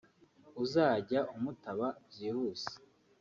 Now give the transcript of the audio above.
uzajya umutaba byihuse